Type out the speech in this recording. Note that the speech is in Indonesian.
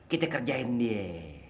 kita kerjain dia